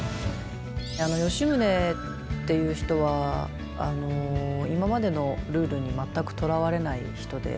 吉宗っていう人は今までのルールに全くとらわれない人で。